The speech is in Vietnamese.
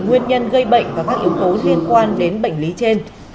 nguyên nhân gây bệnh và các yếu tố liên quan đến bệnh lý trên